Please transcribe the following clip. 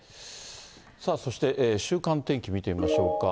そして週間天気見てみましょうか。